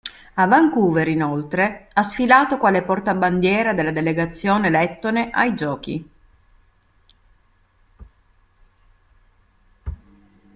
A Vancouver, inoltre, ha sfilato quale Portabandiera della delegazione lettone ai Giochi.